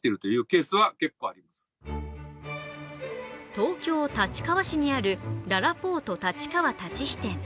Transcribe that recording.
東京・立川市にあるららぽーと立川立飛店。